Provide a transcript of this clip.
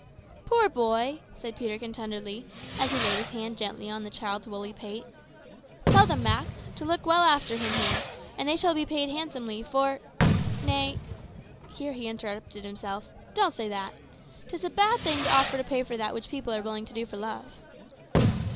"Poor boy!" said Peterkin tenderly, as he laid his hand gently on the child's woolly pate. "Tell them, Mak, to look well after him here, and they shall be paid handsomely for nay" (here he interrupted himself), "don't say that. 'Tis a bad thing to offer to pay for that which people are willing to do for love."